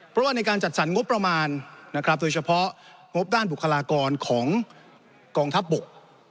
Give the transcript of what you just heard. เพราะว่าในการจัดสรรงบประมาณนะครับโดยเฉพาะงบด้านบุคลากรของกองทัพบก